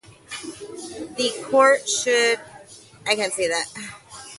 The court should abandon its homophobic attitude.